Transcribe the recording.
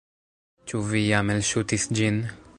Ĉu vi jam elŝutis ĝin?